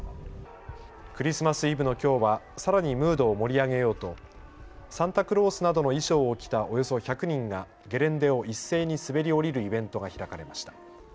クリスマスイブのきょうはさらにムードを盛り上げようとサンタクロースなどの衣装を着たおよそ１００人がゲレンデを一斉に滑り降りるイベントが開かれました。